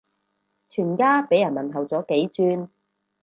全家俾人問候咗幾轉